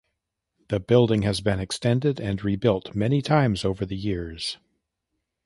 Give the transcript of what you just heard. The building has been extended and rebuilt many times over the years.